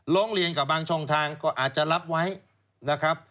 ร้องเรียนกับบางช่องทางก็อาจจะรับไว้นะครับ